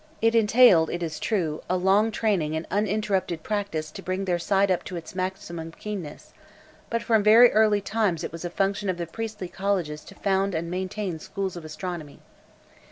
[*] It entailed, it is true, a long training and uninterrupted practice to bring their sight up to its maximum keenness; but from very early times it was a function of the priestly colleges to found and maintain schools of astronomy.